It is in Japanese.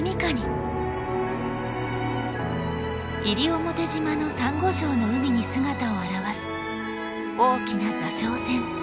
西表島のサンゴ礁の海に姿を現す大きな座礁船。